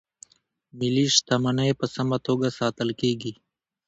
ملي شتمنۍ په سمه توګه ساتل کیږي.